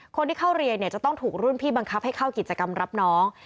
คนที่เข้าเรียนเนี่ยจะต้องถูกรุ่นพี่บังคับให้เข้ากิจกรรมรับน้อง